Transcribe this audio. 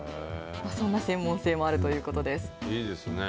そんな専門性もあるということです。